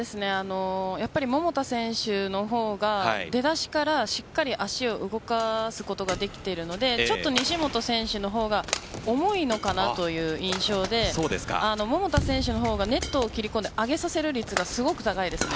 桃田選手の方が出だしからしっかり足を動かすことができているので西本選手の方が重いのかなという印象で桃田選手の方がネットを切り込んで上げさせる率がすごく高いですね。